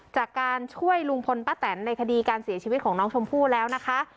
จากการช่วยลุงพลป้าแตนในคดีการเสียชีวิตของน้องชมพู่แล้วนะคะ